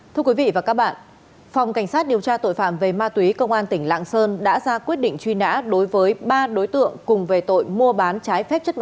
thưa quý vị và các bạn phòng cảnh sát điều tra tội phạm về ma túy công an tp rạch giá đã ra quyết định truy nã đối với ba đối tượng cùng về tội mùa